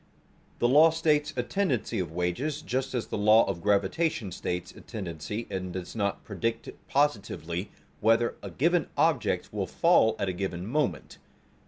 The law states a tendency of wages, just as the law of gravitation states a tendency and does not predict positively whether a given object will fall at a given moment.